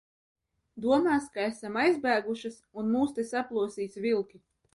Domās, ka esam aizbēgušas un mūs te saplosīs vilki.